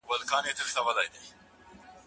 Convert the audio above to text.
دا لپټاپ تر هغه بل ډېر پیاوړی بیټرۍ لري.